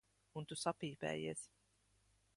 Un tu sapīpējies.